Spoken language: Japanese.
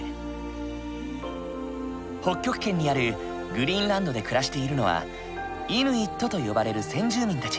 北極圏にあるグリーンランドで暮らしているのはイヌイットと呼ばれる先住民たち。